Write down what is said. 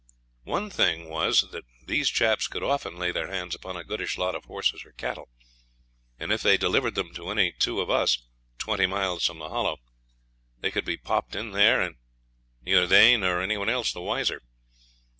One thing was that these chaps could often lay their hands upon a goodish lot of horses or cattle; and if they delivered them to any two of us twenty miles from the Hollow, they could be popped in there, and neither they or any one else the wiser.